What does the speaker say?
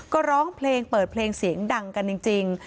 ก็ร้องเพลงเปิดเพลงเสียงดังกันจริง